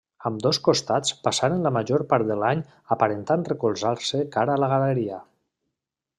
Ambdós costats passaren la major part de l'any aparentant recolzar-se cara la galeria.